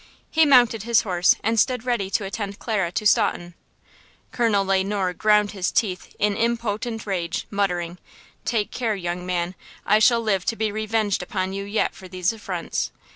He mounted his horse and stood ready to attend Clara to Staunton. Colonel Le Noir ground his teeth in impotent rage, muttering: "Take care, young man! I shall live to be revenged upon you yet for these affronts!"